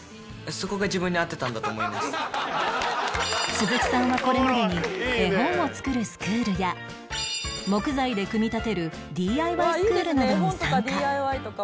鈴木さんはこれまでに絵本を作るスクールや木材で組み立てる ＤＩＹ スクールなどに参加